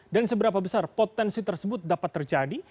dan seberapa besar potensi tersebut dapat terjadi